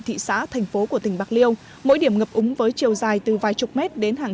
thị xã thành phố của tỉnh bạc liêu mỗi điểm ngập úng với chiều dài từ vài chục mét đến hàng